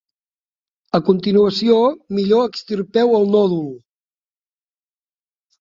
A continuació, millor extirpeu el nòdul.